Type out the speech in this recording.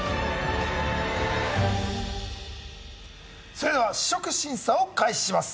それでは試食審査を開始します